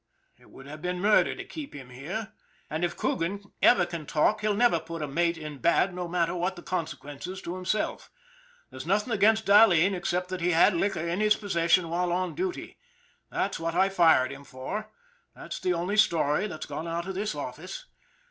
It would have been murder to keep him here. And if Coogan ever can talk he'll never put a mate in bad no matter what the consequences to himself. There's nothing against Dahleen except that he had liquor in his posses sion while on duty. That's what I fired him for that's the only story that's gone out of this office.